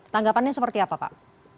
tanggapannya seperti apa pak